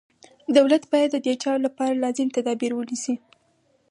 دولت باید ددې چارو لپاره لازم تدابیر ونیسي.